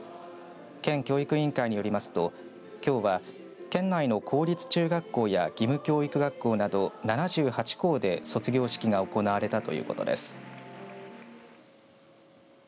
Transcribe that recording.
県教育委員会によりますときょうは、県内の公立中学校や義務教育学校など７８校で卒業式が行われたということです。